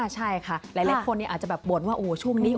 ใช่ค่ะหลายคนอาจจะแบบบ่นว่าช่วงนี้